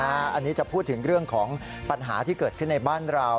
อันนี้จะพูดถึงเรื่องของปัญหาที่เกิดขึ้นในบ้านเรา